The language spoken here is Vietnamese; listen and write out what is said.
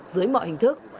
dưới mọi hình thức